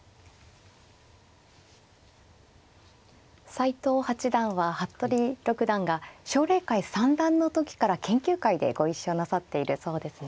斎藤八段は服部六段が奨励会三段の時から研究会でご一緒なさっているそうですね。